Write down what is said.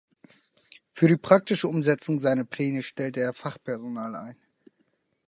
Für die praktische Umsetzung seiner Pläne stellte er Fachpersonal ein.